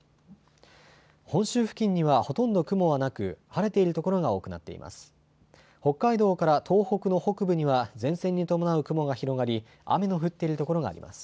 本州付近にはほとんど雲はなく、晴れている所が多くなっています。